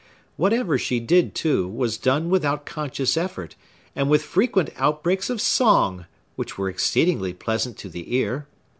Whatever she did, too, was done without conscious effort, and with frequent outbreaks of song, which were exceedingly pleasant to the ear.